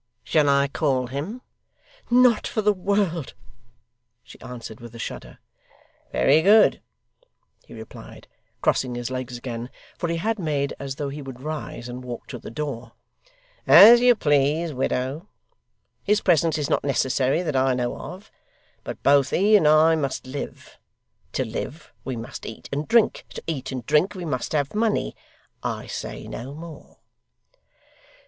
Shall I call him?' 'Not for the world,' she answered, with a shudder. 'Very good,' he replied, crossing his legs again, for he had made as though he would rise and walk to the door. 'As you please, widow. His presence is not necessary that I know of. But both he and I must live; to live, we must eat and drink; to eat and drink, we must have money: I say no more.